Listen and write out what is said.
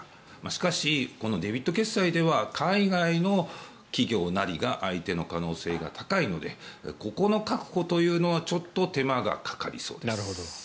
しかし、デビット決済では海外の企業なりが相手の可能性が高いのでここの確保というのはちょっと手間がかかりそうです。